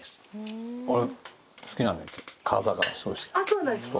・そうなんですか・